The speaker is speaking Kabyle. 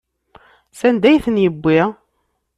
Sanda ay ten-yewwi?